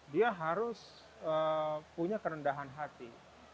dia harus punya kerendahan hati